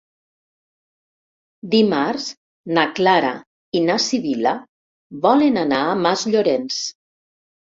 Dimarts na Clara i na Sibil·la volen anar a Masllorenç.